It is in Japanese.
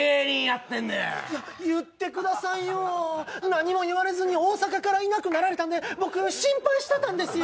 言ってくださいよ、何も言われずに大阪からいなくなられたんで僕、心配してたんです